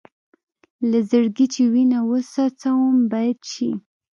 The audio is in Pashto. له زړګي چې وینه وڅڅوم بیت شي.